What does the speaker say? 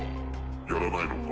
やらないのか？